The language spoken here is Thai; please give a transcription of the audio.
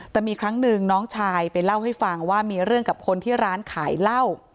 แต่มีครั้งหนึ่งน้องชายไปเล่าให้ฟังว่ามีเรื่องกับคนที่ร้านขายเหล้า